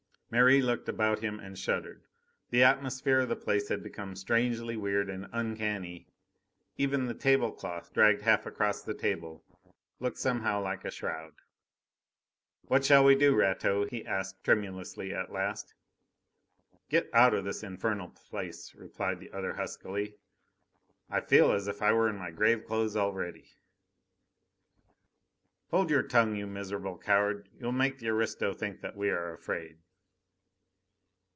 Merri looked around him and shuddered. The atmosphere of the place had become strangely weird and uncanny; even the tablecloth, dragged half across the table, looked somehow like a shroud. "What shall we do, Rateau?" he asked tremulously at last. "Get out of this infernal place," replied the other huskily. "I feel as if I were in my grave clothes already." "Hold your tongue, you miserable coward! You'll make the aristo think that we are afraid."